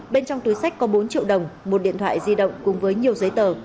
bên trong túi sách có bốn triệu đồng một điện thoại di động cùng với nhiều giấy tờ